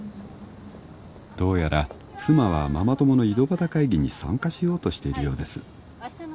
どうやら妻はママ友の井戸端会議に参加しようとしてるようです